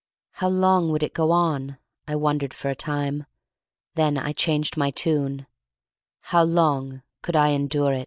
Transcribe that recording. How long would it go on? I wondered for a time. Then I changed my tune: how long could I endure it?